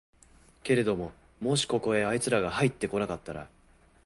けれどももしここへあいつらがはいって来なかったら、